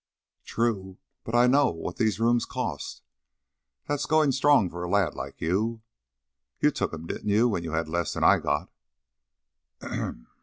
"True. But I know what these rooms cost. That's going strong for a lad like you." "You took 'em, didn't you, when you had less 'n I got?"